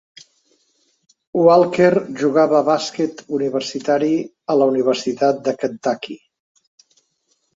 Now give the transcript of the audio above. Walker jugava a bàsquet universitari a la Universitat de Kentucky.